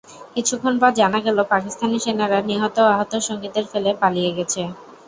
কিছুক্ষণ পর জানা গেল, পাকিস্তানি সেনারা নিহত ও আহত সঙ্গীদের ফেলে পালিয়ে গেছে।